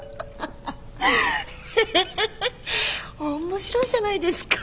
面白いじゃないですか。